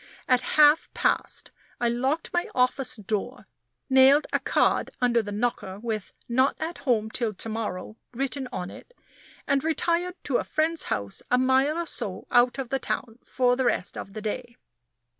At half past I locked my office door, nailed a card under the knocker with "not at home till to morrow" written on it, and retired to a friend's house a mile or so out of the town for the rest of the day.